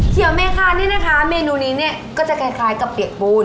เขียวเมคานนี่นะคะเมนูนี้เนี่ยก็จะคล้ายกับเปียกปูน